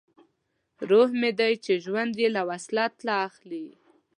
روح مې دی چې ژوند یې له وصلت اخلي